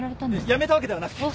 辞めたわけではなくて。